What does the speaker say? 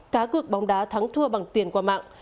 cá cược bóng đá thắng thua bằng tiền qua mạng